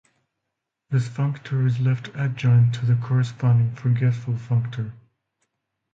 This functor is left adjoint to the corresponding forgetful functor.